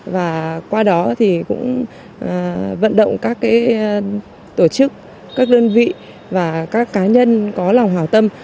và qua đó thì cũng vận động các tổ chức các đơn vị và các cá nhân có lòng hào tâm